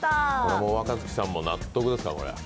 これ若槻さんも納得ですか？